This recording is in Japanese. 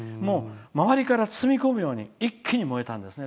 周りから包み込むようにして一気に燃えたんですね。